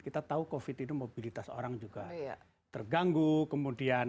kita tahu covid itu mobilitas orang juga terganggu kemudian